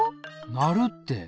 なるって！